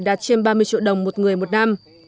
đạt trên ba mươi triệu đồng một người một năm